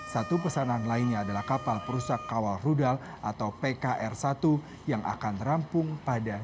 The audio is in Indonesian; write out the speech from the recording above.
satu pesanan lainnya adalah kapal perusak kawal rudal atau pkr satu yang akan rampung pada dua ribu dua puluh